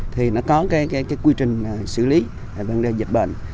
thì nó có cái quy trình xử lý vấn đề dịch bệnh